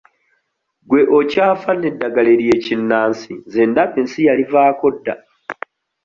Gwe okyafa n'eddagala ly'ekinnansi nze ndaba ensi yalivaako dda.